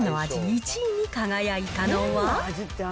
１位に輝いたのは。